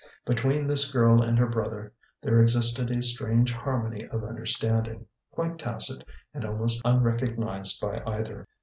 Between this girl and her brother there existed a strange harmony of understanding, quite tacit and almost unrecognized by either.